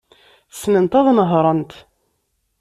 Ssnent ad nehṛent.